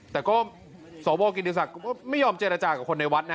แต่ก็สวกิติศักดิ์ก็ไม่ยอมเจรจากับคนในวัดนะ